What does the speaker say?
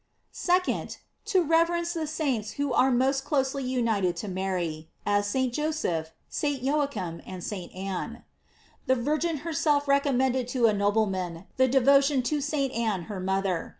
2d. To rever ence the saints who are most closely united to Mary, as St. Joseph, St. Joachim, and St. Ann. The Virgin herself recommended to a nobleman the devotion to St. Ann her mother.